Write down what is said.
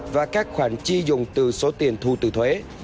và các khoản chi dùng từ số tiền thu từ thuế